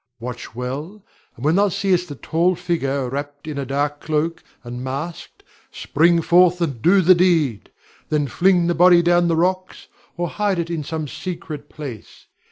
Watch well, and when thou seest a tall figure wrapped in a dark cloak, and masked, spring forth, and do the deed. Then fling the body down the rocks, or hide it in some secret place.